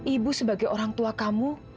ibu sebagai orang tua kamu